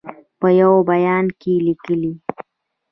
په یوه بیان کې لیکلي